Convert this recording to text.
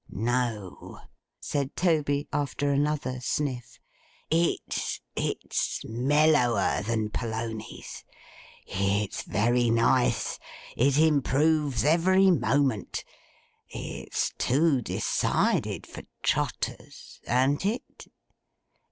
'No,' said Toby, after another sniff. 'It's—it's mellower than Polonies. It's very nice. It improves every moment. It's too decided for Trotters. An't it?